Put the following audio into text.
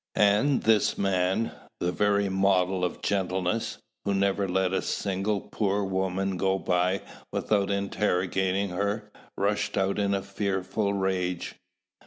And this man, the very model of gentleness, who never let a single poor woman go by without interrogating her, rushed out in a fearful rage.